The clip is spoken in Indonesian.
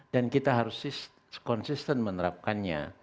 dan kita harus konsisten menerapkannya